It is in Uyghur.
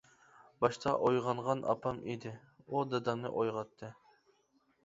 باشتا ئويغانغان ئاپام ئىدى، ئۇ دادامنى ئويغاتتى.